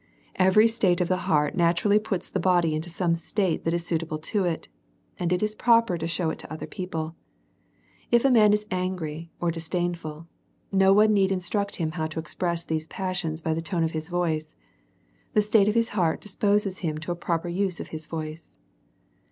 Every state of the heart naturally puts the body in to some state that is suitable to it, and is proper to show it to other people. If a man is angry or dis dainful, no one need instruct him how to express these passions by the tone of his voice ; the state of his heart disposes him to a proper use of his voice.